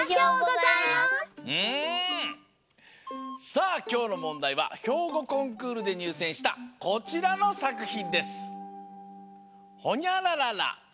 さあきょうのもんだいはひょうごコンクールでにゅうせんしたこちらのさくひんです。